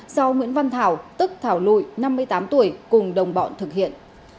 do nguyễn văn thảo tức thảo lụy năm mươi tám tuổi cùng đồng bọn thực hiện